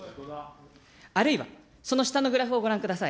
あるいは、その下のグラフをご覧ください。